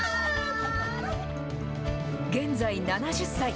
現在７０歳。